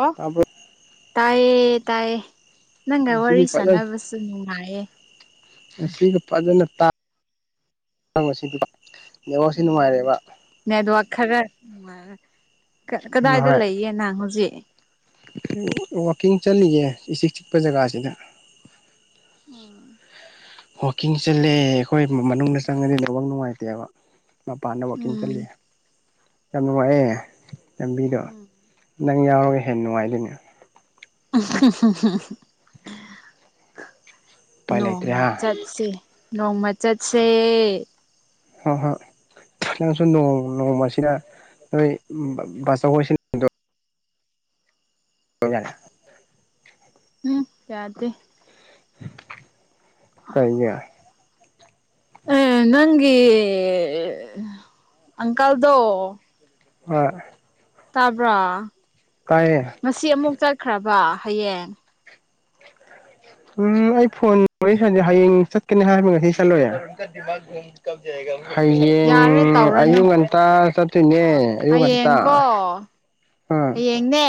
ꯑꯣ ꯇꯥꯕ꯭ꯔꯣ ꯇꯥꯏꯌꯦ ꯇꯥꯏꯌꯦ ꯅꯪꯒ ꯉꯁꯤꯗꯤ ꯋꯥꯔꯤ ꯁꯥꯟꯅꯕꯁꯨ ꯅꯨꯡꯉꯥꯏꯌꯦ ꯑꯁꯤꯗꯤ ꯐꯖꯅ ꯇꯥ [unintelligible] ꯅꯦꯠꯋꯥꯛꯁꯤ ꯅꯨꯡꯉꯥꯏꯔꯦꯕ ꯅꯨꯡꯉꯥꯏꯔꯦ ꯎꯝ ꯍꯣꯏ ꯋꯥꯀꯤꯡ ꯆꯠꯂꯤꯌꯦ ꯏꯆꯤꯛ ꯆꯤꯛꯄ ꯖꯒꯥꯁꯤꯗ ꯑꯥ ꯋꯥꯀꯤꯡ ꯆꯠꯂꯦ ꯑꯩꯈꯣꯏ ꯃꯅꯨꯡꯗ ꯆꯪꯉꯗꯤ ꯅꯦꯠꯋꯥꯛ ꯅꯨꯡꯉꯥꯏꯇꯦꯕ ꯃꯄꯥꯟꯗ ꯋꯥꯛꯀꯤꯡ ꯎꯝ ꯆꯠꯂꯤꯌꯦ ꯌꯥꯝ ꯅꯨꯡꯉꯥꯏꯌꯦ ꯂꯝꯕꯤꯗꯣ ꯅꯪ ꯌꯥꯎꯔꯒ ꯍꯦꯟꯅ ꯅꯨꯡꯉꯥꯏꯗꯣꯏꯅꯦ [inaudible] ꯎꯄꯥꯏ ꯂꯩꯇ꯭ꯔꯦ ꯅꯣꯡꯃ ꯍꯥ ꯆꯠꯁꯦ ꯅꯣꯡꯃ ꯆꯠꯁꯦ ꯍꯣꯏ ꯍꯣꯏ ꯅꯣꯡ ꯅꯣꯡꯃ ꯑꯁꯤꯗ ꯅꯣꯏ ꯕꯥꯆꯧꯍꯣꯏ ꯁꯤꯡꯗꯣ ꯑꯧ ꯌꯥꯔꯦ ꯍꯨꯝ ꯌꯥꯗꯦ ꯀꯩꯒꯤ ꯑꯦ ꯅꯪꯒꯤ ꯑꯪꯀꯜꯗꯣ ꯍꯣꯏ ꯇꯥꯕ꯭ꯔꯣ ꯇꯥꯏꯌꯦ ꯉꯁꯤ ꯑꯃꯨꯛ ꯆꯠꯈ꯭ꯔꯕ ꯍꯌꯦꯡ ꯎꯝ ꯑꯩ ꯐꯣꯟꯗ ꯋꯔꯤ ꯁꯥꯅꯁꯦ ꯍꯌꯦꯡ ꯆꯠꯀꯅꯤ ꯍꯥꯏꯕ ꯉꯁꯤ ꯆꯠꯂꯣꯏꯌꯦ ꯍꯌꯦꯡ ꯌꯥꯔꯦ ꯇꯧꯔꯅꯨ ꯑꯌꯨꯛ ꯉꯟꯇꯥ ꯆꯠ ꯆꯠꯇꯣꯏꯅꯦ ꯑꯌꯨꯛ ꯉꯟꯇꯥ ꯍꯌꯦꯡꯀꯣ ꯎꯝ ꯍꯌꯦꯡꯅꯦ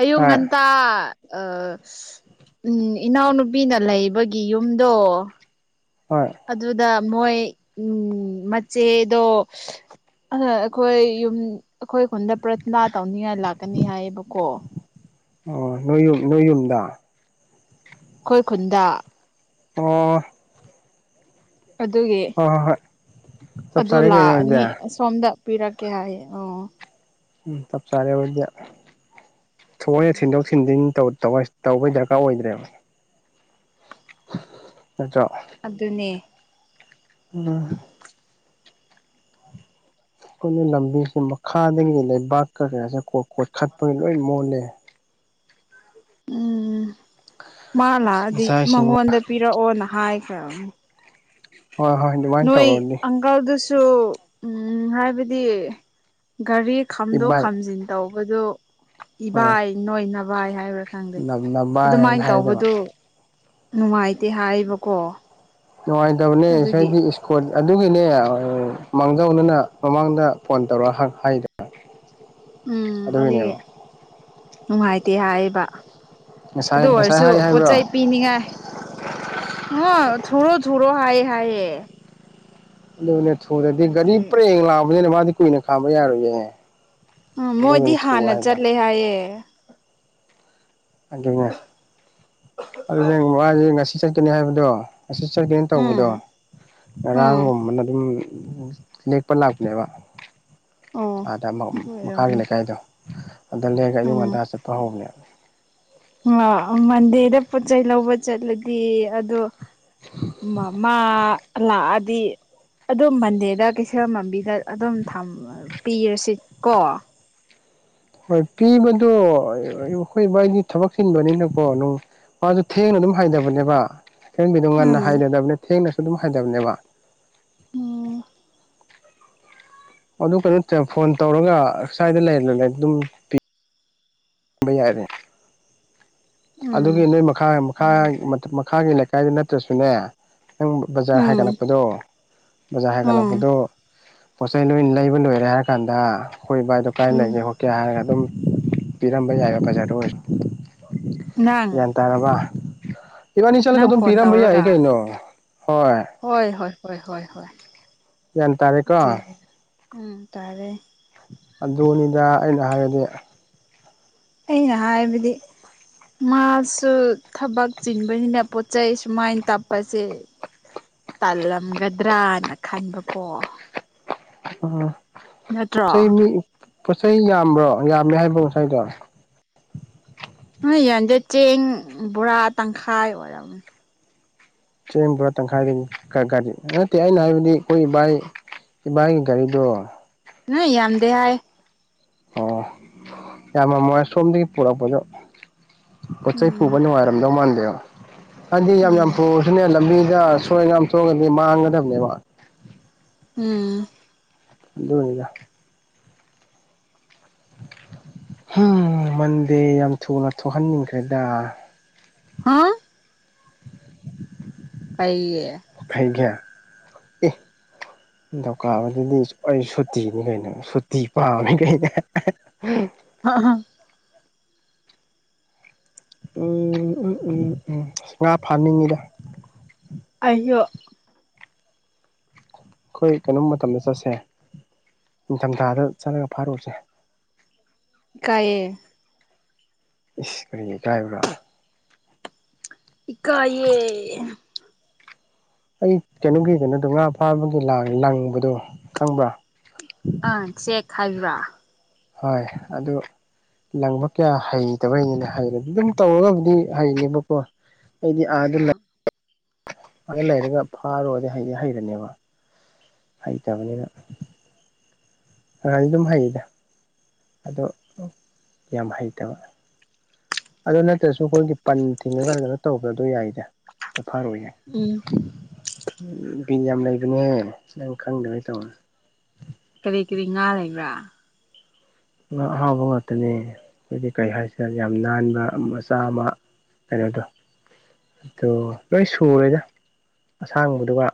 ꯑꯌꯨꯛ ꯍꯣꯏ ꯉꯟꯇꯥ ꯑ ꯥ ꯏꯅꯥꯎꯅꯨꯄꯤꯅ ꯂꯩꯕꯒꯤ ꯌꯨꯝꯗꯣ ꯍꯣꯏ ꯑꯗꯨꯗ ꯃꯣꯏ ꯎꯝ ꯃꯆꯦꯗꯣ ꯑꯗꯣ ꯑꯩꯈꯣꯏ ꯌꯨꯝ ꯑꯩꯈꯣꯏ ꯈꯨꯟꯗ ꯄ꯭ꯔꯊꯅ ꯇꯧꯅꯤꯡꯉꯥꯏ ꯂꯥꯛꯀꯅꯤ ꯍꯥꯏꯌꯦꯕꯀꯣ ꯑꯣ ꯅꯣꯏꯌꯨꯨꯝ ꯅꯣꯏꯌꯨꯨꯝꯗ ꯑꯩꯈꯣꯏ ꯈꯨꯟꯗ ꯑꯣ ꯑꯗꯨꯒꯤ ꯍꯣꯏ ꯍꯣꯏ ꯍꯣꯏ ꯆꯞ ꯑꯗꯨ ꯆꯥꯔꯦ ꯀꯩꯅꯣ ꯑꯗꯨꯗꯤ ꯂꯥꯛꯑꯅꯤ ꯑꯁꯣꯝꯗ ꯄꯤꯔꯛꯀꯦ ꯍꯥꯏꯌꯦ ꯑꯣ ꯎꯝ ꯆꯞ ꯆꯥꯔꯦ ꯑꯩꯈꯣꯏꯗꯤ ꯊꯧꯑꯣꯏꯅ ꯎꯝ ꯊꯤꯟꯗꯣꯛ ꯊꯤꯟꯖꯤꯟ ꯇꯧ ꯇꯧꯋꯔꯁ ꯇꯧꯕꯩ ꯗꯔꯀꯥꯔ ꯑꯣꯏꯗ꯭ꯔꯦꯕ ꯅꯠꯇ꯭ꯔꯣ ꯑꯗꯨꯅꯦ ꯎꯝ ꯑꯩꯈꯣꯏꯅ ꯂꯝꯕꯤꯁꯦ ꯃꯈꯥꯗꯒꯤꯗꯤ ꯂꯩꯕꯥꯛꯀ ꯀꯩꯥꯁꯦ ꯀ ꯀꯣꯠ ꯈꯠꯄꯒꯤ ꯂꯣꯏ ꯃꯣꯠꯂꯦ ꯎꯝ ꯃꯥ ꯂꯥꯛꯑꯗꯤ ꯉꯁꯥꯏꯁꯤꯡ ꯃꯉꯣꯟꯗ ꯄꯤꯔꯛꯑꯣꯅ ꯍꯥꯏꯈ꯭ꯔꯕꯅꯤ ꯍꯣꯏ ꯍꯣꯏ ꯑꯗꯨꯃꯥꯏꯅ ꯅꯣꯏ ꯇꯧꯔꯗꯤ ꯑꯪꯀꯜꯗꯨꯁꯨ ꯁꯨ ꯎꯝ ꯍꯥꯏꯕꯗꯤ ꯒꯥꯔꯤ ꯈꯥꯝꯗꯣꯛ ꯏꯕꯥꯏ ꯈꯥꯝꯖꯤꯟ ꯇꯧ ꯇꯧꯕꯗꯣ ꯍꯣꯏ ꯏꯚꯥꯏ ꯅꯣꯏ ꯅꯚꯥꯏ ꯍꯥꯏꯕꯔ ꯈꯪꯗꯦ ꯅꯝꯅꯕ ꯑꯗꯨꯃꯥꯏꯅ ꯍꯥꯏꯗꯕ ꯇꯧꯕꯗꯨ ꯅꯨꯡꯉꯥꯏꯇꯦ ꯍꯥꯏꯕꯀꯣ ꯅꯨꯡꯉꯥꯏꯇꯕꯅꯦ ꯍꯥꯏꯗꯤ ꯏꯁ꯭ꯀꯣꯠ ꯑꯗꯨꯒꯤꯅꯦ ꯃꯥꯡꯖꯧꯅꯅ ꯃꯃꯥꯡꯗ ꯐꯣꯟ ꯇꯧꯔꯛ ꯑ ꯍꯥꯏꯗꯣ ꯎꯝ ꯑꯗꯨꯒꯤ ꯑꯗꯨꯒꯤꯅꯦꯕ ꯅꯨꯡꯉꯥꯏꯇꯦ ꯍꯥꯏꯌꯦꯕ ꯑꯗꯨ ꯉꯁꯥꯏ ꯉꯁꯥꯏ ꯑꯣꯏꯔꯁꯨ ꯍꯥꯏ ꯄꯣꯠ ꯍꯥꯏꯕ꯭ꯔꯣ ꯆꯩꯩ ꯄꯤꯅꯤꯡꯉꯥꯏ ꯊꯨꯔꯣ ꯊꯨꯔꯣ ꯍꯥꯏꯌꯦ ꯍꯥꯏꯌꯦ ꯑꯗꯨꯨꯅꯦ ꯊꯨꯗꯔꯗꯤ ꯒꯥꯔꯤ ꯑꯗꯨꯏ ꯄꯨꯔꯦꯡ ꯂꯥꯛꯑꯕꯅꯤꯅ ꯃꯥꯗꯤ ꯀꯨꯏꯅ ꯈꯥꯝꯕ ꯌꯥꯔꯣꯏꯌꯦ ꯎꯝ ꯃꯣꯏꯗꯤ ꯑꯗꯨꯒꯅꯤ ꯊꯨ ꯍꯥꯟꯅ ꯍꯥꯏꯗꯣ ꯆꯠꯂꯦ ꯍꯥꯏꯌꯦ ꯑꯗꯨꯅꯦ ꯑꯁꯤ ꯆꯠꯀꯅꯤ ꯍꯥꯏꯕꯗꯣ ꯑꯁꯤ ꯆꯠꯀꯅꯤ ꯎꯝ ꯇꯧꯕꯗꯣ ꯎꯝ ꯉꯔꯥꯡꯒꯨꯝꯕꯅ ꯑꯗꯨꯝ ꯎꯝ ꯂꯦꯛꯄ ꯂꯥꯛꯄꯅꯦꯕ ꯑꯣ ꯑꯥꯗ ꯑꯗꯨ ꯃꯈꯥꯒꯤ ꯑꯣꯏꯔꯝꯅꯤ ꯂꯩꯀꯥꯏꯗꯣ ꯑꯥꯗ ꯂꯦꯛꯑꯒ ꯑꯌꯨꯛ ꯉꯟꯇꯥ ꯆꯠꯄ ꯍꯧꯕꯅꯦꯕ ꯑꯥ ꯃꯟꯗꯦꯗ ꯄꯣꯠꯆꯩ ꯂꯧꯕ ꯆꯠꯂꯗꯤ ꯑꯗꯣ ꯃ ꯃꯥ ꯂꯥꯛꯑꯗꯤ ꯑꯗꯨꯝ ꯃꯟꯗꯦꯗ ꯀꯩꯊꯦꯜ ꯃꯟꯕꯤꯗ ꯑꯗꯨꯝ ꯊꯝ ꯄꯤꯔꯁꯤ ꯀꯣ ꯍꯣꯏ ꯄꯤꯕꯗꯣ ꯑꯩꯈꯣꯏ ꯕꯥꯏꯗꯤ ꯊꯕꯛ ꯆꯤꯟꯕꯅꯤꯅꯀꯣ ꯃꯥꯁꯨ ꯊꯦꯡꯅ ꯑꯗꯨꯝ ꯍꯥꯏꯗꯕꯅꯦꯕ ꯈꯪꯗꯦ ꯑꯗꯨꯝ ꯉꯟꯅ ꯎꯝ ꯍꯥꯏꯊꯗꯕꯅꯦ ꯊꯦꯡꯅꯁꯨ ꯑꯗꯨꯝ ꯍꯥꯏꯊꯕꯅꯦꯕ ꯑꯣ ꯑꯗꯨ ꯀꯩꯅꯣ ꯐꯣꯟ ꯇꯧꯔꯒ ꯑꯁ꯭ꯋꯥꯏꯗ ꯂꯩꯔ ꯑꯗꯨꯝ ꯄꯤ ꯄꯤ ꯌꯥꯔꯦ ꯑꯗꯨꯒꯤ ꯎꯝ ꯅꯣꯏ ꯃꯈꯥ ꯃꯈꯥ ꯃꯈꯥꯒꯤ ꯂꯩꯀꯥꯏꯗ ꯅꯠꯇ꯭ꯔꯁꯨꯅꯦ ꯅꯪ ꯕꯖꯥꯔ ꯎꯝ ꯍꯥꯏꯒꯠꯂꯛꯄꯗꯣ ꯕꯖꯥꯔ ꯎꯝ ꯍꯥꯏꯒꯠꯂꯛꯄꯗꯣ ꯄꯣꯠꯆꯩ ꯂꯣꯏ ꯂꯩꯕ ꯂꯣꯏꯔꯦ ꯍꯥꯏꯔ ꯀꯥꯟꯗ ꯑꯩꯈꯣꯏ ꯏꯕꯥꯏꯗꯣ ꯀꯥꯏ ꯎꯝ ꯂꯩꯒꯦ ꯈꯣꯠꯀꯦ ꯍꯥꯏꯔꯒ ꯑꯗꯨꯝ ꯄꯤꯔꯝꯕ ꯌꯥꯏꯕ ꯕꯖꯥꯔꯗ ꯑꯣꯏꯔꯁꯨ ꯅꯪ ꯒ꯭ꯌꯥꯟ ꯇꯥꯔꯕ ꯏꯕꯥꯟꯅꯤ ꯆꯠꯂꯒ ꯅꯪ ꯑꯗꯨꯝ ꯐꯣꯟ ꯄꯤꯔꯕ ꯌꯥꯏ ꯇꯧꯔꯒ ꯀꯩꯅꯣ ꯍꯣꯏ ꯍꯣꯏ ꯍꯣꯏ ꯍꯣꯏ ꯍꯣꯏ ꯍꯣꯏ ꯒ꯭ꯌꯥꯟ ꯇꯔꯦꯀꯣ ꯑꯗꯨꯏ ꯎꯝ ꯇꯥꯔꯦ ꯑꯗꯨꯅꯤꯗ ꯑꯩꯅ ꯍꯥꯏꯔꯗꯤ ꯑꯩꯅ ꯍꯥꯏꯕꯗꯤ ꯃꯥꯁꯨ ꯊꯕꯛ ꯆꯤꯟꯕꯅꯤꯅ ꯄꯣꯠ ꯆꯩ ꯁꯨꯃꯥꯏꯅ ꯇꯞꯄꯁꯦ ꯇꯥꯜꯂꯝꯒꯗ꯭ꯔꯅ ꯈꯟꯕꯀꯣ ꯎꯝ ꯄꯣꯠ ꯅꯠꯇ꯭ꯔꯣ ꯆꯩ [unintelligible] ꯄꯣꯠꯆꯩ ꯌꯥꯝꯕ꯭ꯔꯣ ꯌꯥꯝꯃꯦ ꯍꯥꯏꯕꯣ ꯉꯁꯥꯏꯗꯣ ꯍꯣꯏ ꯌꯝꯗꯦ ꯆꯦꯡ ꯕꯣꯔꯥ ꯇꯪꯈꯥꯏ ꯑꯣꯏꯔꯝ ꯅꯤ ꯆꯦꯡ ꯕꯣꯔꯥ ꯇꯪꯈꯥꯏꯗꯒꯤ ꯒꯥꯔꯤ ꯅꯠꯇꯦ ꯑꯩꯅ ꯍꯥꯏꯕꯗꯤ ꯑꯩꯈꯣꯏ ꯕꯥꯏ ꯏꯕꯥꯏ ꯒꯥꯔꯤꯗꯣ ꯅꯣꯏ ꯌꯥꯝꯗꯦ ꯍꯥꯏ ꯑꯣ ꯌꯥꯝ ꯃꯝ ꯃꯣꯏ ꯁꯣꯝꯗꯒꯤ ꯄꯣꯔꯛ ꯄꯗꯣ ꯄꯣꯠꯆꯩ ꯄꯨꯕ ꯎꯝ ꯅꯨꯡꯉꯥꯏꯔꯝꯗꯧ ꯃꯥꯟꯗꯦꯕ ꯍꯥꯏꯗꯤ ꯌꯥꯝ ꯌꯥꯝ ꯎꯝ ꯄꯨꯔꯁꯨꯅꯦ ꯂꯝꯕꯤ ꯁꯤꯗ ꯑꯁꯣꯏ ꯑꯉꯥꯝ ꯊꯣꯛꯑꯒꯗꯤ ꯃꯥꯡꯒꯗꯕꯅꯦꯕ ꯎꯝ ꯑꯗꯨꯅꯤꯗ ꯍꯝ ꯃꯟꯗꯦ ꯌꯥꯝ ꯊꯨꯅ ꯊꯣꯛꯍꯟꯅꯤꯡꯈ꯭ꯔꯦꯗ ꯍꯥꯥ ꯀꯩꯒꯤ ꯐꯩꯒ꯭ꯌꯥ ꯑꯦ ꯅꯤꯊꯧꯀꯥꯕꯗꯨꯗꯤ ꯑꯩ ꯁꯨꯇꯤꯅꯤ ꯀꯩꯅꯣ ꯁꯨꯇꯤ ꯄꯥꯝꯃꯤ ꯀꯩꯅꯣ [inaudible] ꯍꯥ ꯍꯥꯥ ꯎꯝ ꯎ ꯎꯝ ꯎꯝ ꯑꯁ ꯉꯥ ꯐꯥꯅꯤꯡꯉꯤꯗ ꯑꯩꯁꯨ ꯑꯩꯈꯣꯏ ꯀꯩꯅꯣꯝ ꯃꯇꯝꯗ ꯆꯠꯁꯦ ꯅꯤꯡꯊꯝꯊꯥꯗ ꯆꯠꯂꯒ ꯐꯥꯔꯨꯔꯁꯦ ꯏ ꯀꯥꯏꯌꯦ ꯏꯁ ꯀꯔꯤ ꯏꯀꯥꯏꯕ꯭ꯔꯥ ꯏꯀꯥꯏꯌꯦ ꯑꯩ ꯀꯩꯅꯣꯒꯤ ꯀꯩꯅꯣꯗꯣ ꯉꯥ ꯐꯥꯕꯒꯤ ꯂꯪꯕꯗꯣ ꯈꯪꯕ꯭ꯔꯥ ꯑꯥ ꯆꯦꯛ ꯍꯥꯏꯕ꯭ꯔꯥ ꯍꯣꯏ ꯑꯗꯨ ꯂꯪꯕ ꯀꯌꯥ ꯍꯩꯇꯕꯩꯅꯦ ꯍꯩꯔꯗꯤ ꯑꯗꯨꯝ ꯇꯧꯔꯒꯕꯨꯗꯤ ꯍꯩꯅꯦꯕꯀꯣ ꯑꯩꯗꯤ ꯑꯥꯗ ꯑꯥ ꯂꯩ ꯑꯥ ꯂꯩꯔꯒ ꯐꯥꯔꯨꯔꯗꯤ ꯍꯩꯗꯤ ꯍꯩꯔꯅꯦꯕ ꯍꯩꯇꯕꯅꯤꯅ ꯈꯔꯗꯤ ꯑꯗꯨꯝ ꯍꯩꯗ ꯑꯗꯣ ꯌꯥꯝ ꯍꯩꯇꯕ ꯑꯗꯨ ꯅꯠꯇ꯭ꯔꯁꯨ ꯑꯩꯈꯣꯏꯒꯤ ꯄꯟ ꯊꯤꯡꯉ ꯀꯩꯅꯣ ꯇꯧꯕꯗꯣ ꯌꯥꯏꯗ ꯐꯈꯔꯨ ꯌꯥꯏ ꯎꯝ ꯕꯤꯜ ꯌꯥꯝ ꯂꯩꯕꯅꯦ ꯅꯪ ꯈꯪꯗꯕꯩ ꯇꯧꯕ ꯀꯔꯤ ꯀꯔꯤ ꯉꯥ ꯂꯩꯕ꯭ꯔꯥ ꯉꯥ ꯑꯍꯥꯎꯕ ꯉꯥꯛꯇꯅꯦ ꯍꯥꯏꯗꯤ ꯀꯩ ꯍꯥꯏꯁꯤꯔ ꯌꯥꯝ ꯅꯥꯟꯕ ꯃꯆꯥ ꯑꯃ ꯀꯩꯅꯣꯗꯣ ꯑꯗꯨ ꯂꯣꯏ ꯁꯨꯔꯦꯗ ꯑꯁꯥꯡꯕꯗꯨꯒ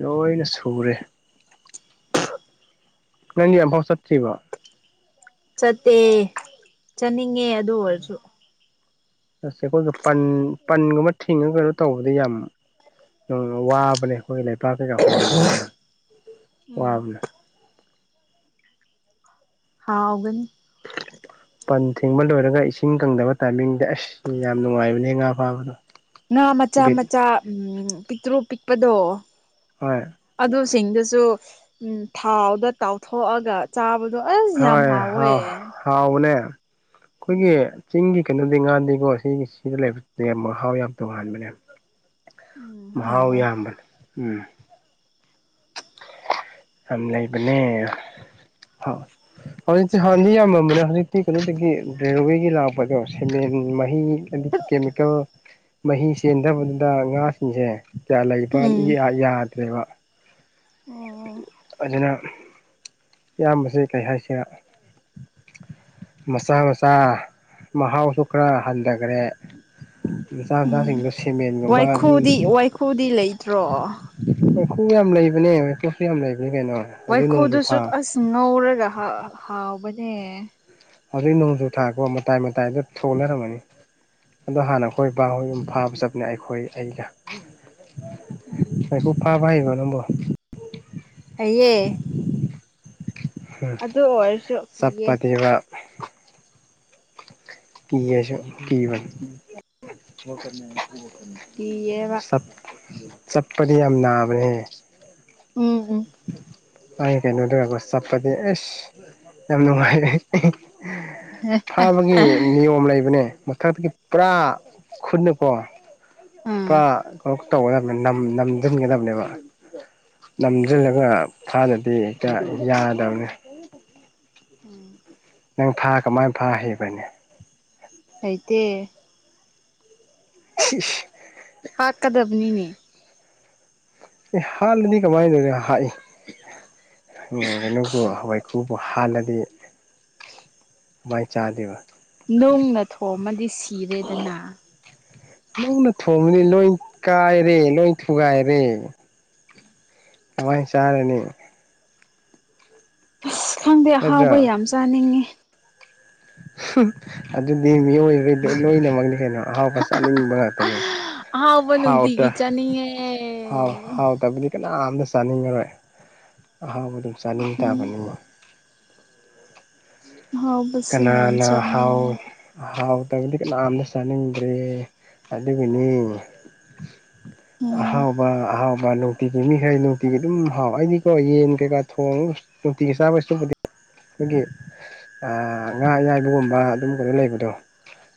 ꯂꯣꯏꯅ ꯁꯨꯔꯦ ꯅꯪꯗꯤ ꯑꯝꯐꯥꯎ ꯆꯠꯇ꯭ꯔꯤꯕꯣ ꯆꯠꯇꯦ ꯆꯠꯅꯤꯡꯉꯦ ꯑꯗꯨ ꯑꯣꯏꯔꯁꯨ ꯆꯠꯁꯦ ꯑꯩꯈꯣꯏꯒ ꯄꯟ ꯄꯟꯒꯨꯝꯕ ꯊꯤꯡꯉꯒ ꯀꯩꯅꯣ ꯇꯧꯕꯗ ꯌꯥꯝ ꯌꯥꯝꯅ ꯋꯥꯕꯅꯦ ꯑꯩꯈꯣꯏꯒꯤ ꯂꯩꯄꯥꯛ ꯀꯩꯀꯥ ꯍꯣꯟꯕꯗꯀꯣ ꯎꯝ ꯋꯥꯕꯅꯦ ꯍꯥꯎꯒꯅꯤ ꯄꯟ ꯊꯤꯡꯕ ꯂꯣꯏꯔꯒ ꯏꯁꯤꯡ ꯀꯪꯗꯕ ꯇꯥꯏꯃꯤꯡꯁꯦ ꯑꯁ ꯌꯥꯝ ꯅꯨꯡꯉꯥꯏꯕꯅꯦ ꯉꯥ ꯐꯥꯕꯗꯣ ꯉꯥ ꯃꯆꯥ ꯕꯤꯠ ꯃꯆꯥ ꯎꯝ ꯄꯤꯛꯇ꯭ꯔꯨ ꯄꯤꯛꯄꯗꯣ ꯍꯣꯏ ꯆꯤꯡꯗꯨꯁꯨ ꯊꯥꯎꯗ ꯇꯥꯎꯊꯣꯛ ꯑꯒ ꯆꯥꯕ ꯍꯣꯏ ꯍꯥꯎ ꯍꯥꯎꯕꯅꯦ ꯑꯩꯈꯣꯏꯒꯤ ꯎꯝ ꯆꯤꯡꯒꯤ ꯀꯩꯅꯣꯗꯤ ꯉꯥꯗꯤꯀꯣ ꯁꯤꯒꯤ ꯁꯤꯗ ꯂꯩꯕ ꯌꯥꯝ ꯃꯍꯥꯎ ꯌꯥꯝ ꯇꯣꯉꯥꯟꯕꯅꯦ ꯃꯍꯥꯎ ꯍꯥꯎꯋꯦ ꯌꯥꯝꯕꯅꯦ ꯎꯝ [inaudible] ꯌꯥꯝ ꯂꯩꯕꯅꯦ ꯑꯥꯎ ꯍꯧꯖꯤꯛꯇꯤ ꯍꯥꯟꯅꯗꯤ ꯌꯥꯝꯃꯝꯕꯅꯦ ꯍꯧꯖꯤꯛꯇꯤ ꯀꯩꯅꯣꯗꯒꯤ ꯔꯦꯜꯋꯦꯒꯤ ꯂꯥꯛꯄꯗꯣ ꯁꯤꯃꯦꯟ ꯃꯍꯤ ꯍꯥꯢꯗꯤ ꯀꯦꯃꯤꯀꯦꯜ ꯃꯍꯤ ꯆꯦꯟꯊꯕꯗꯨꯗ ꯉꯥ ꯁꯤꯡꯁꯦ ꯀꯌꯥ ꯂꯩꯕ ꯎꯝ ꯅꯤ ꯌꯥ ꯌꯥꯗ꯭ꯔꯦꯕ ꯑꯣ ꯑꯗꯨꯅ ꯏꯌꯥꯝꯕꯁꯦ ꯀꯩ ꯍꯥꯏꯁꯤꯔꯥ ꯃꯆꯥ ꯃꯆꯥ ꯃꯍꯥꯎꯁꯨ ꯈꯔ ꯍꯟꯙꯥꯒꯔꯦ ꯃꯆꯥ ꯎꯝ ꯃꯆꯥꯁꯤꯡꯗꯣ ꯁꯤꯃꯦꯟꯒꯨꯝꯕ ꯋꯥꯏꯈꯨꯗꯤ ꯋꯥꯏꯈꯨꯗꯤ ꯂꯩꯇ꯭ꯔꯣ ꯅꯨꯡ ꯈꯨ ꯌꯥꯝ ꯂꯩꯕꯅꯦ ꯔꯀꯦꯁ ꯁꯨ ꯌꯥꯝ ꯂꯩꯕꯅꯦ ꯀꯩꯅꯣ ꯍꯧꯖꯤꯛ ꯅꯣꯡꯖꯨ ꯋꯥꯏꯈꯨꯗꯨꯁꯨ ꯊꯥ ꯑꯁ ꯉꯧꯔꯒ ꯍꯥ ꯍꯥꯎꯕꯅꯦ ꯍꯧꯖꯤꯛ ꯅꯣꯡꯖꯨ ꯊꯥꯀꯣ ꯃꯇꯥꯏ ꯃꯇꯥꯏꯗ ꯊꯣꯛꯅꯔꯝꯒꯅꯤ ꯑꯗꯣ ꯍꯥꯟꯅ ꯑꯈꯣꯏ ꯏꯄꯥ ꯍꯣꯏ ꯑꯗꯨꯝ ꯎꯝ ꯐꯥꯕ ꯆꯠꯄꯅꯦ ꯑꯩꯈꯣꯏ ꯑꯩꯒ ꯎꯝ ꯀꯩꯀꯨ ꯐꯥꯕ ꯅꯨꯡꯉꯥꯢꯔꯤꯕ ꯅꯪꯕꯣ ꯍꯩꯌꯦ ꯑꯗꯨ ꯑꯣꯏꯔꯁꯨ ꯀꯤ ꯌꯦ ꯆꯞꯄꯗꯤꯕ ꯀꯤꯌꯦ ꯑꯩꯁꯨ ꯀꯤꯕꯅꯦ ꯀꯤꯌꯦꯕ ꯆꯞ ꯆꯞꯄꯗꯤ ꯌꯥꯝ ꯅꯥꯕꯅꯦ ꯎꯝ ꯎꯝ ꯃꯥꯏ ꯀꯩꯅꯣꯗꯣ ꯌꯦꯡꯉꯣ ꯆꯞꯄꯗꯤ ꯏꯁ ꯌꯥꯝ ꯅꯨꯡꯉꯥꯏꯔꯦ ꯍꯦ ꯍꯦ ꯐꯥꯕꯒꯤ ꯍ ꯅꯤꯌꯣꯝ ꯂꯩꯕꯅꯦ ꯃꯊꯛꯇꯒꯤ ꯄꯨꯔꯥ ꯈꯨꯠꯅꯀꯣ ꯎꯝ ꯄꯨꯔꯥ ꯇꯧꯒꯗꯕꯅꯦ ꯅꯝ ꯅꯝꯖꯤꯟꯒꯗꯕꯅꯦꯕ ꯎꯝ ꯅꯝꯖꯤꯜꯂꯒ ꯐꯥꯗꯗꯤ ꯍꯦꯛꯇ ꯌꯥꯗꯕꯅꯦ ꯎꯝ ꯅꯪ ꯐꯥ ꯀꯃꯥꯏꯅ ꯐꯥ ꯍꯩꯕꯅꯦ ꯍꯩꯇꯦ ꯏꯁ ꯗꯨꯅꯤꯅꯦ ꯑꯦ ꯍꯥꯠꯂꯗꯤ ꯀꯃꯥꯏꯅ ꯍ ꯑꯦ [unintelligible] ꯋꯥꯏꯈꯨꯕꯨ ꯍꯥꯠꯂꯗꯤ ꯀꯃꯥꯏ ꯆꯥꯗꯣꯏꯕ ꯅꯨꯡꯅ ꯊꯣꯝꯃꯗꯤ ꯁꯤꯔꯦꯗꯅ ꯅꯨꯡꯅ ꯊꯣꯡꯂꯗꯤ ꯂꯣꯏ ꯀꯥꯏꯔꯦ ꯂꯣꯏ ꯊꯨꯒꯥꯏꯔꯦ ꯀꯃꯥꯏ ꯆꯥꯔꯅꯤ ꯑꯁ ꯈꯪꯗꯦ ꯑꯍꯥꯎꯕ ꯌꯥꯝ ꯆꯥꯅꯤꯡꯉꯤ ꯍꯨꯝ ꯑꯗꯨꯗꯤ ꯃꯤꯑꯣꯏꯕꯩ ꯂꯣꯏꯅꯃꯛꯅꯤ ꯀꯩꯅꯣ ꯑꯍꯥꯎꯕ ꯆꯥꯅꯤꯡꯕ ꯉꯥꯛꯇꯅꯤ ꯑꯍꯥꯎꯕ ꯍꯥꯎꯇ ꯅꯨꯡꯇꯤꯒꯤ ꯍꯥꯎ ꯆꯥꯅꯤꯡꯉꯦ ꯍꯥꯎꯇꯕꯗꯤ ꯀꯥ ꯌꯥꯝꯅ ꯆꯥꯅꯤꯡꯉꯔꯣꯏ ꯑꯍꯥꯎꯕ ꯑꯗꯨꯝ ꯆꯥꯅꯤꯡ ꯇꯥꯕꯅꯤ ꯑꯍꯥꯎꯕꯁꯦ ꯌꯥꯝ ꯀꯅꯥꯅ ꯍꯥꯎ ꯆꯥꯅꯤꯡꯉꯦ ꯑꯍꯥꯎ ꯇꯕꯗꯤ ꯀꯅꯥꯝꯅ ꯆꯥꯅꯤꯡꯗ꯭ꯔꯦ ꯑꯗꯨꯒꯤꯅꯤ ꯎꯝ ꯑꯍꯥꯎꯕ ꯑꯍꯥꯎ ꯅꯨꯡꯇꯤꯒꯤ ꯃꯤꯈꯥꯔꯗꯤ ꯅꯨꯡꯇꯤꯒꯤ ꯑꯗꯨꯝ ꯍꯥꯎ ꯑꯩꯗꯤꯀꯣ ꯌꯦꯟ ꯀꯩꯀꯥ ꯊꯣꯡꯉ ꯅꯨꯡꯇꯤꯒꯤ ꯆꯥꯕ ꯁꯔꯨꯛꯄꯨꯗꯤ ꯑꯩꯈꯣꯏꯒꯤ ꯉꯥ ꯑꯌꯥꯏꯕꯒꯨꯝꯕ ꯑꯗꯨꯝ ꯀꯩꯅꯣ ꯂꯩꯕꯗꯣ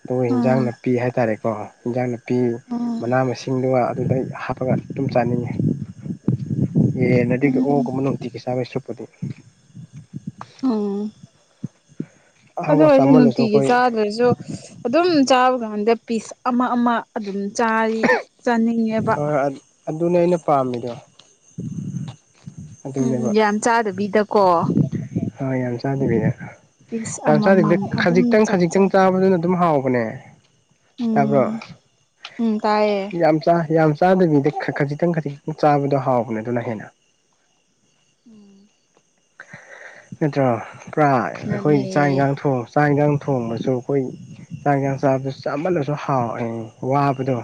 ꯗꯨꯒ ꯏꯟꯖꯥꯡ ꯎꯝ ꯅꯥꯄꯤ ꯍꯥꯏꯇꯥꯔꯦꯀꯣ ꯏꯟꯖꯥꯡ ꯅꯥꯄꯤ ꯎꯝ ꯃꯥꯅ ꯃꯁꯤꯡꯗꯨꯒ ꯑꯗꯨꯗꯩ ꯍꯥꯞꯄꯒ ꯑꯗꯨꯝ ꯆꯥꯅꯤꯡꯉꯦ ꯌꯦꯟ ꯅꯥꯗꯤ ꯑꯣꯛ ꯎꯝ ꯀꯨꯝꯕ ꯅꯨꯡꯇꯤꯒꯤ ꯆꯥꯕꯩ ꯁ꯭ꯔꯨꯛ ꯄꯨꯗꯤ ꯎꯝ ꯑꯗꯨ ꯑꯍꯥꯎꯕ ꯑꯣꯏꯔꯁꯨ ꯆꯥꯃꯜꯂꯁꯨ ꯅꯨꯡꯇꯤꯒꯤ ꯑꯩꯈꯣꯏ ꯆꯥꯗ꯭ꯔꯁꯨ ꯑꯗꯨꯝ ꯆꯥꯕ ꯀꯥꯟꯗ ꯄꯤꯁ ꯑꯃ ꯑꯃ ꯑꯗꯨꯝ ꯆꯥꯔꯗꯤ ꯆꯥꯅꯤꯡꯉꯦꯕ ꯍꯣꯏ ꯑꯗꯨꯅꯦ ꯑꯩꯅ ꯄꯥꯝꯃꯤꯗꯣ ꯎꯝ ꯑꯗꯨꯅꯦꯕ ꯌꯥꯝ ꯆꯥꯗꯕꯤꯗꯀꯣ ꯍꯣꯏ ꯌꯥꯝ ꯆꯥꯗꯕꯤꯗ ꯄꯤꯁ ꯌꯥꯝ ꯆꯥꯗꯦꯕꯤꯗ ꯑꯃꯃꯝ ꯑꯗꯨꯝ ꯈꯖꯤꯛꯇꯪ ꯈꯖꯤꯛꯇꯪ ꯆꯥꯛꯆꯩ ꯆꯥꯕꯗꯨꯅ ꯑꯗꯨꯝ ꯍꯥꯎ ꯕꯅꯦ ꯇꯥꯕꯔꯣ ꯎꯝ ꯎꯝ ꯇꯥꯏꯌꯦ ꯌꯥꯝ ꯆꯥ ꯌꯥꯝ ꯆꯥꯗꯕꯤꯗ ꯈꯖꯤꯛꯇꯪ ꯈꯖꯤꯛꯇꯪ ꯆꯥꯕꯗꯣ ꯍꯥꯎꯕꯅꯦ ꯑꯗꯨꯅ ꯍꯦꯟꯅ ꯎꯝ ꯅꯠꯇ꯭ꯔꯣ ꯄꯨꯔꯥ ꯑꯈꯣꯏ ꯆꯥꯛ ꯅꯅꯦ ꯏꯟꯖꯥꯡ ꯊꯣꯡ ꯆꯥꯛ ꯏꯟꯖꯥꯡ ꯊꯣꯡꯕꯁꯨ ꯑꯩꯈꯣꯏ ꯆꯥꯛ ꯏꯟꯖꯥꯡ ꯆꯥꯕꯗꯁꯨ ꯆꯥꯝꯃꯜꯂꯁꯨ ꯍꯥꯎꯑꯦ ꯋꯥꯕꯗꯣ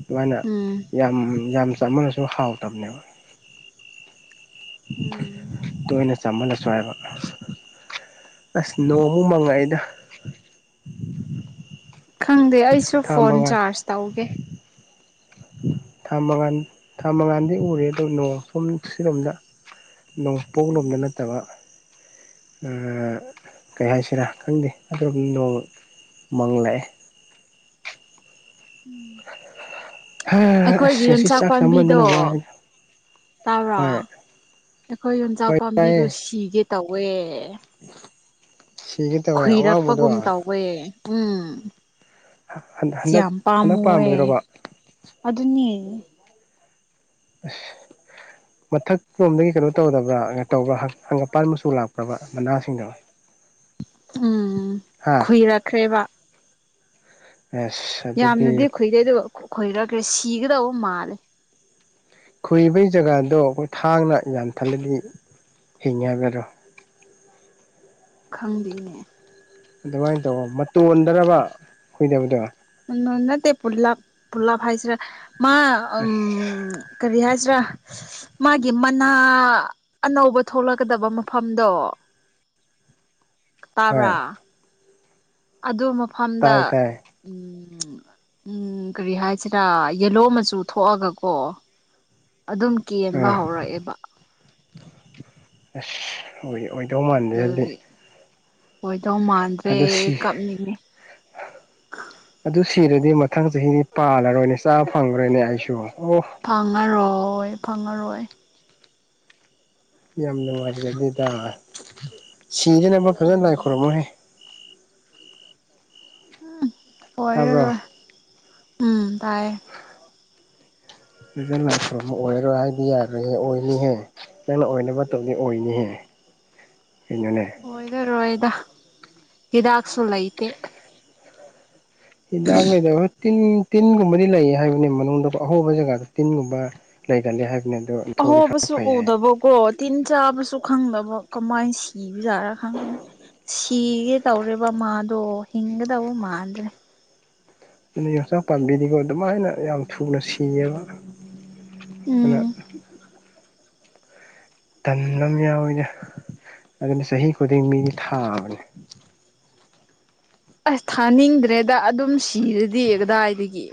ꯑꯗꯨꯃꯥꯏꯅ ꯎꯝ ꯌꯥꯝ ꯌꯥꯝ ꯆꯥꯃꯜꯂꯁꯨ ꯍꯥꯎꯇꯕꯅꯦꯕ ꯎꯝ ꯇꯣꯏꯅ ꯆꯥꯃꯜꯂꯁꯨ ꯍꯥꯏꯕ ꯑꯁ ꯅꯣꯡꯃꯨꯛ ꯃꯪꯉꯛꯑꯦꯗ ꯈꯪꯗꯦ ꯑꯩꯁꯨ ꯐꯣꯟ ꯆꯥꯔꯖ ꯇꯧꯒꯦ ꯊꯥ ꯃꯉꯜ ꯊꯥ ꯃꯉꯜꯗꯤ ꯎꯔꯦ ꯑꯗꯨ ꯅꯣꯡ ꯁꯨꯝ ꯁꯤꯔꯣꯝꯗ ꯅꯣꯡꯄꯣꯛꯂꯣꯝꯗ ꯅꯠꯇꯕ ꯑꯥ ꯀꯩ ꯍꯥꯏꯁꯤꯔꯥ ꯈꯪꯗꯦ ꯑꯗꯩꯒꯤ ꯅꯣꯡ ꯃꯪꯪꯂꯛꯑꯦ ꯎꯝ ꯑꯩꯈꯣꯏꯒꯤ ꯑꯁ ꯉꯁꯤ ꯌꯣꯡꯆꯥꯛ ꯆꯥꯛ ꯄꯥꯝꯕꯤꯗꯣ ꯆꯥꯃꯟꯗꯅ ꯋꯥꯏꯗ ꯇꯕ꯭ꯔꯣ ꯍꯣꯏ ꯑꯈꯣꯏ ꯌꯣꯡ ꯆꯥꯛ ꯍꯣꯏ ꯄꯥꯝꯕꯤꯗꯣ ꯇꯥꯏꯌꯦ ꯁꯤꯒꯦ ꯇꯧꯋꯦ [inaudible] ꯇꯧꯋꯦ ꯑꯋꯥꯡꯕꯗꯣ ꯈꯨꯏꯔꯛꯄꯒꯨꯝ ꯇꯧꯋꯦ ꯎꯝ ꯁꯤ ꯍꯟꯗꯛ ꯌꯥꯝ ꯍꯟꯗꯛ ꯄꯥꯝꯃꯨꯋꯦ ꯄꯥꯝꯕꯒꯤꯔꯣꯕ ꯑꯗꯨꯅꯦ ꯑꯁ ꯃꯊꯛ ꯇꯣ ꯃꯤ ꯀꯩꯅꯣ ꯇꯧꯗꯕ꯭ꯔꯥ ꯇꯧꯕ꯭ꯔꯥ ꯍꯪꯒꯥꯄꯜ ꯃꯆꯨ ꯆꯨ ꯂꯥꯛꯄ꯭ꯔꯥꯕ ꯃꯥꯅꯁꯤꯡꯗꯣ ꯎꯝ ꯍꯥ ꯈꯨꯏꯔꯛꯈ꯭ꯔꯦꯕ ꯑꯁ ꯑꯗꯨꯗꯤ ꯌꯥꯝꯅꯗꯤ ꯈꯨꯏꯗꯦꯗꯨ ꯈꯨꯏꯔꯒ ꯁꯤꯒꯗꯧꯕ ꯃꯥꯜꯂꯦ ꯈꯨꯏꯕꯩ ꯖꯒꯥꯗꯣ ꯑꯩꯈꯣꯏ ꯊꯥꯡꯅ ꯌꯥꯊꯠꯂꯗꯤ ꯍꯤꯡꯉꯦ ꯍꯥꯏꯅꯗ꯭ꯔꯣ ꯈꯪꯗꯤꯅꯦ ꯑꯗꯨꯃꯥꯏꯅ ꯇꯧꯑꯣ ꯃꯇꯣꯟꯗꯔꯕ ꯈꯨꯏꯙꯕꯗꯣ ꯅꯠ ꯅꯠꯇꯦ ꯄꯨꯂꯞ ꯄꯨꯂꯞ ꯍꯥꯏꯁꯤꯔ ꯃꯥ ꯎꯝ ꯀꯔꯤꯍꯥꯏꯁꯤ ꯔꯥ ꯃꯥꯒꯤ ꯃꯥꯅ ꯑꯅꯧꯕ ꯊꯣꯛꯂꯛꯀꯗꯕ ꯃꯐꯝꯗꯣ ꯍꯣꯏ ꯇꯕ꯭ꯔꯥ ꯑꯗꯨ ꯃꯐꯝꯗ ꯇꯥꯏ ꯇꯥꯏ ꯎꯝ ꯎꯝ ꯎꯝ ꯀꯔꯤ ꯍꯥꯏꯁꯤꯔ ꯌꯦꯜꯂꯣ ꯃꯆꯨ ꯊꯣꯛꯑꯒꯀꯣ ꯑꯗꯨꯝ ꯀꯦꯟꯕ ꯑꯥ ꯍꯧꯔꯛꯑꯦꯕ ꯑꯁ ꯑꯣꯏꯗꯧ ꯃꯥꯟꯗꯦ ꯑꯗꯤ ꯑꯗꯨꯒꯤ ꯑꯣꯏꯗꯧ ꯃꯥꯟꯗ꯭ꯔꯦ ꯀꯞꯅꯤꯡꯉꯦ ꯑꯗꯨ ꯁꯤꯔꯗꯤ ꯃꯊꯪ ꯆꯍꯤꯅꯤ ꯄꯥꯜꯂꯔꯣꯏꯅꯦ ꯆꯥꯕ ꯐꯪꯉꯔꯣꯏꯅꯦ ꯑꯩꯁꯨ ꯑꯣ ꯐꯪꯉꯔꯣꯏ ꯐꯪꯉꯔꯣꯏ ꯌꯥꯝ ꯅꯨꯡꯉꯥꯏꯖꯗꯦꯗ ꯁꯤꯗꯅꯕ ꯐꯖꯅ ꯂꯥꯏ ꯑꯗꯨ ꯈꯣꯏꯔꯝꯃꯣꯍꯦ ꯎꯝ ꯇꯥꯕ꯭ꯔꯣ ꯑꯣꯏꯔꯔꯣꯏ ꯎꯝ ꯇꯥꯏ ꯐꯖꯅ ꯇꯧꯔꯝꯃꯣ ꯑꯣꯏꯔꯣꯏ ꯍꯥꯏꯕꯗꯤ ꯌꯥꯔꯣꯏꯍꯦ ꯑꯣꯏꯅꯤꯍꯦ ꯅꯪꯅ ꯑꯣꯏꯅꯕ ꯇꯧꯗꯤ ꯑꯣꯏꯅꯤꯍꯦ [inaudible] ꯀꯩꯅꯣꯅꯦ ꯑꯣꯏꯔꯔꯣꯏꯗ ꯍꯤꯗꯥꯛꯁꯨ ꯂꯩꯇꯦ ꯍꯤꯗꯥꯛꯅ [unintelligible] ꯇꯤꯟ ꯇꯤꯟꯒꯨꯝꯕꯗꯤ ꯂꯩꯌꯦ ꯍꯥꯏꯕꯅꯤ ꯃꯅꯨꯡꯗ ꯑꯍꯣꯕ ꯖꯒꯥꯗ ꯇꯤꯟꯒꯨꯝꯕ ꯂꯩꯒꯜꯂꯦ ꯍꯥꯏꯕꯅꯦ ꯑꯍꯣꯕꯁꯨ ꯎꯗꯕꯀꯣ ꯇꯤꯟ ꯆꯥꯕꯁꯨ ꯈꯪꯗꯕ ꯀꯃꯥꯏꯅ ꯁꯤꯕꯖꯥꯠꯔ ꯈꯪꯉꯦ ꯁꯤꯒꯦ ꯇꯧꯔꯦꯕ ꯃꯥꯗꯣ ꯍꯤꯡꯒꯗꯕ ꯃꯥꯟꯗ꯭ꯔꯦ ꯑꯗꯨꯅꯦ ꯌꯣꯡꯆꯥꯛ ꯄꯥꯝꯕꯤꯗꯤꯀꯣ ꯑꯗꯨꯃꯥꯏꯅ ꯌꯥꯝ ꯊꯨꯅ ꯁꯤꯌꯦꯕ ꯑꯥꯗ ꯎꯝ ꯇꯟꯕ ꯑꯃ ꯌꯥꯎꯋꯤꯗ ꯑꯗꯨꯅ ꯆꯍꯤ ꯈꯨꯗꯤꯡ ꯃꯤꯗꯤ ꯊꯥꯕꯅꯦ ꯑꯁ ꯊꯥꯅꯤꯡꯗ꯭ꯔꯦꯗ ꯑꯗꯨꯝ ꯁꯤꯔꯗꯤ ꯀꯗꯥꯏꯗꯒꯤ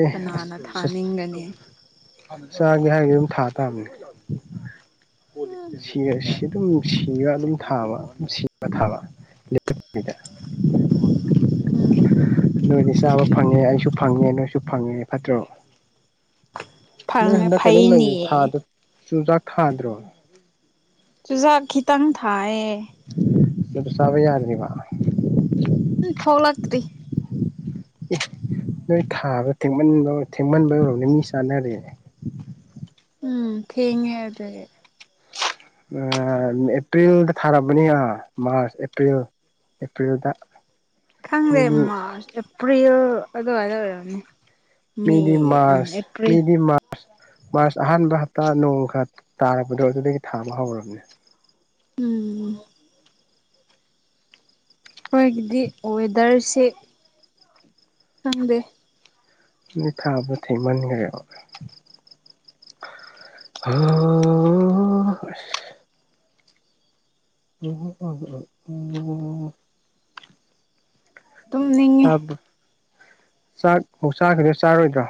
ꯑꯦ ꯀꯅꯥꯅ ꯑꯁ ꯊꯥꯅꯤꯡꯒꯅꯤ ꯆꯥꯒꯦ ꯍꯥꯏꯔꯒꯗꯤ ꯗꯨꯝ ꯊꯥ ꯇꯥꯕꯅꯦ ꯎꯝ ꯁꯤꯔ ꯁꯤ ꯗꯨꯝ ꯁꯤꯔ ꯑꯗꯨꯝ ꯊꯥꯕ ꯑꯗꯨꯝ ꯁꯤꯔ ꯊꯥ ꯂꯦꯞꯇꯕꯤꯗ ꯎꯝ ꯅꯣꯏꯗꯤ ꯆꯥꯕ ꯐꯪꯉꯦ ꯑꯩꯁꯨ ꯐꯪꯉꯦ ꯅꯣꯏꯁꯨ ꯐꯪꯉꯦ ꯐꯠꯇ꯭ꯔꯣ ꯅꯣꯏ ꯎꯝ ꯍꯟꯗꯛ ꯀꯩꯅꯣꯝ ꯐꯩꯅꯦ ꯂꯩꯕꯗꯣ ꯊꯥꯗ ꯆꯨꯖꯥꯛ ꯊꯥꯗ꯭ꯔꯣ ꯆꯨꯖ ꯇꯪ ꯊꯥꯏꯌꯦ ꯗꯨꯝ ꯆꯥꯕ ꯌꯥꯗ꯭ꯔꯤꯕ ꯎꯝ ꯊꯣꯛꯂꯛꯇ꯭ꯔꯤ ꯑꯦ ꯅꯣꯏ ꯊꯥꯕ ꯊꯦꯡꯃꯟꯕ ꯊꯦꯡꯃꯟꯕꯩ ꯑꯣꯏꯔꯝꯅꯤ ꯃꯤ ꯆꯥꯅꯔꯦꯅꯦ ꯎꯝ ꯊꯦꯡꯉꯦ ꯑꯗꯨꯒꯤ ꯑꯥ ꯑꯦꯄ꯭ꯔꯤꯜꯗ ꯊꯥꯔꯕꯅꯤ ꯑꯥ ꯃ꯭ꯔꯥꯁ ꯑꯦꯄ꯭ꯔꯤꯜ ꯑꯦꯄ꯭ꯔꯤꯜꯗ ꯈꯪꯗꯦ ꯃꯤꯗꯤ ꯃꯥꯔꯆ ꯑꯦꯄ꯭ꯔꯤꯜ ꯑꯗꯨꯋꯥꯏꯗ ꯑꯣꯏꯔꯝꯅꯤ ꯃꯦ ꯃꯤꯗꯤ ꯃ꯭ꯔꯥꯁ ꯑꯦꯄ꯭ꯔꯤꯜ ꯃꯤꯗꯤ ꯃꯥ ꯃꯥꯔꯁ ꯑꯍꯥꯟꯕ ꯍꯞꯇꯥ ꯅꯣꯡꯈꯥ ꯇꯥꯔꯛꯖꯗꯣ ꯑꯗꯨꯗꯒꯤ ꯊꯥꯕ ꯍꯧꯔꯕꯅꯤ ꯎꯝ ꯑꯈꯣꯏꯒꯤꯗꯤ ꯋꯦꯗ꯭ꯔꯁꯦ ꯈꯪꯗꯦ ꯅꯣꯏ ꯊꯥꯕ ꯊꯦꯡꯃꯟꯒꯔꯦꯕ ꯍꯥꯍꯥ ꯍꯥ ꯑꯁ [inaudible] ꯇꯨꯝꯅꯤꯡꯉꯦ ꯆꯥꯛ ꯃꯣꯛ ꯆꯥꯒꯦꯔ ꯆꯥꯔꯣꯏꯗ꯭ꯔꯣ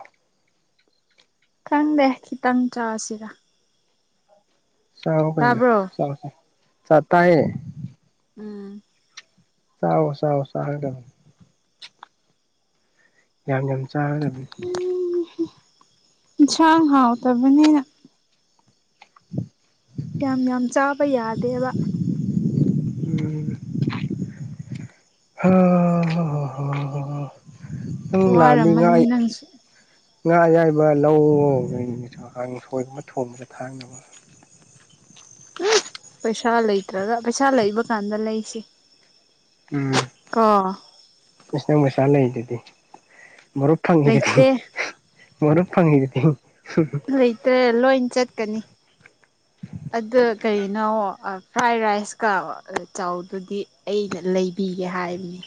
ꯊꯪꯗꯦ ꯈꯤꯇꯪ ꯆꯥꯁꯤꯔ ꯆꯥꯎ ꯀꯩꯅꯣ ꯇꯥꯕ꯭ꯔꯣ ꯆꯥꯛꯄꯨ ꯆꯥꯛ ꯆꯥꯇꯥꯏꯌꯦ ꯎꯝ ꯆꯥꯔꯣ ꯆꯥꯔꯣ ꯆꯥꯔꯒ ꯃꯨꯛ ꯌꯥꯝ ꯌꯥꯝ ꯆꯥꯒꯗꯝꯅꯤ ꯏꯟꯁꯥꯡ ꯍꯥꯎ ꯇꯥꯕꯅꯤꯅ ꯌꯥꯝ ꯌꯥꯝ ꯆꯥꯕ ꯌꯥꯗꯦꯕ ꯎꯝ ꯍꯥ ꯍꯥ ꯍꯥ ꯅꯪ ꯋꯥꯔꯝꯃꯅꯤ ꯂꯥꯛꯅꯤꯡꯉꯥꯏ ꯅꯪꯁꯨ ꯉꯥ ꯑꯌꯥꯏꯕ ꯂꯧꯋꯣ ꯀꯥꯡꯁꯣꯏꯒꯨꯝꯕ ꯊꯣꯡꯕꯗ ꯊꯥꯛꯅꯕ ꯎꯝ ꯄꯩꯁꯥ ꯂꯩꯇ꯭ꯔꯒ ꯄꯩꯁꯥ ꯂꯩꯕ ꯀꯥꯟꯗ ꯂꯩꯁꯤ ꯎꯝ ꯀꯣ ꯑꯁ ꯅꯪꯄꯩꯁꯥ ꯂꯩꯗꯨꯗꯤ ꯃꯔꯨꯞ ꯐꯪꯉꯤꯗꯨꯗꯤ ꯍꯤ ꯂꯩꯇꯦ ꯃꯔꯨꯞ ꯐꯪꯉꯤꯗꯨꯗꯤ ꯂꯩꯇ꯭ꯔꯦ ꯂꯣꯏꯟ ꯆꯠꯀꯅꯤ ꯑꯗꯨ ꯀꯩꯅꯣ ꯐ꯭ꯔꯥꯏ ꯔꯥꯏꯁꯀ ꯆꯧꯗꯨꯗꯤ ꯑꯩꯅ ꯂꯩꯕꯤꯒꯦ ꯍꯥꯏꯕꯅꯦ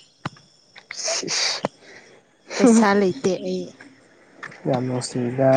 ꯏꯁ ꯏꯁ ꯄꯩꯁꯥ ꯂꯩꯇꯦ ꯑꯩ ꯌꯥꯝ ꯅꯨꯡꯁꯤꯗ